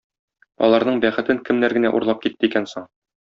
Аларның бәхетен кемнәр генә урлап китте икән соң?